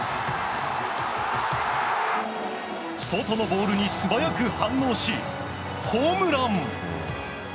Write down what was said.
外のボールに素早く反応しホームラン。